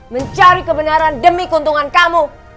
mencari kebenaran demi keuntungan kamu